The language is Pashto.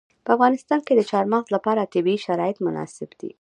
په افغانستان کې د چار مغز لپاره طبیعي شرایط مناسب دي.